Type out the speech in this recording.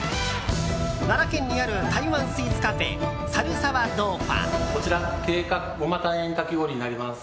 奈良県にある台湾スイーツカフェ猿沢豆花。